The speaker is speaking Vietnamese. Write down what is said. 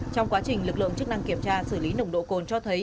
trong quá trình lực lượng chức năng kiểm tra xử lý nồng độ cồn cho thấy